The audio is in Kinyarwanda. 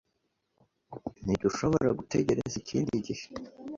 Ntidushobora gutegereza ikindi gihe.